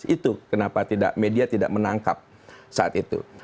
itu kenapa tidak media tidak menangkap saat itu